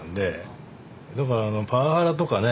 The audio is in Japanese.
だからパワハラとかね